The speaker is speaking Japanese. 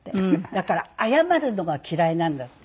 だから謝るのが嫌いなんだって。